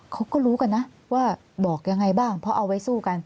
เขาก็รู้กันนะว่าบอกยังไงบ้างเพราะเอาไว้สู้กัน